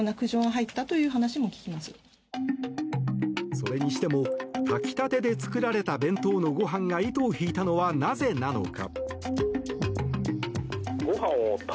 それにしても炊きたてで作られた弁当のご飯が糸を引いたのはなぜなのか。